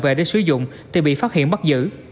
về để sử dụng thì bị phát hiện bắt giữ